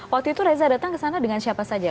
waktu itu reza datang ke sana dengan siapa saja